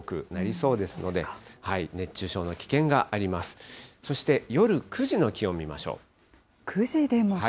そして夜９時の気温見ましょう。